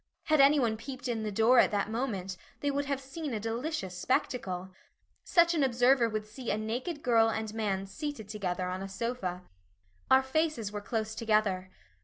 Had anyone peeped in the door at that moment they would have seen a delicious spectacle. Such an observer would see a naked girl and man seated together on a sofa. Our faces were close together.